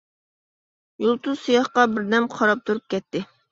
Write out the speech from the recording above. يۇلتۇز سىياھقا بىردەم قاراپ تۇرۇپ كەتتى.